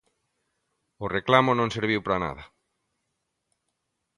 O reclamo non serviu para nada.